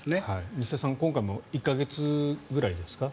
実際、今回も１か月ぐらいですか。